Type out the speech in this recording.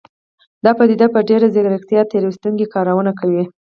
دا پديده په ډېره ځيرکتيا تېر ايستونکي کارونه کوي.